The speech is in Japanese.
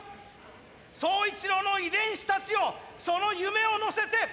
宗一郎の遺伝子たちよその夢を乗せて。